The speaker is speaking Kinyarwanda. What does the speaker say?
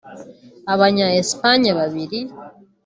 Abanya – Espagne babiri